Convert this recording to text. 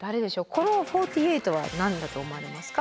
この４８は何だと思われますか？